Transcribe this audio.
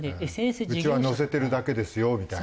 うちは載せてるだけですよみたいな？